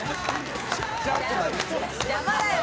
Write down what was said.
「邪魔だよ